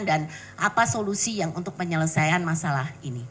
dan apa solusi yang untuk penyelesaian masalah ini